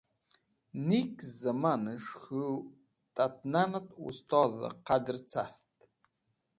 Neek Zẽmanes̃h K̃hu Tat Nanet Wustodh Qadr cart